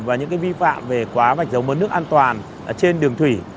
và những cái vi phạm về quá vạch giống với nước an toàn trên đường thủy